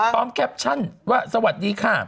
แคปชั่นว่าสวัสดีค่ะ